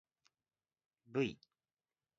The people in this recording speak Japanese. ｖ